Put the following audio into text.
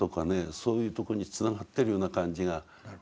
そういうところにつながってるような感じがしてならない。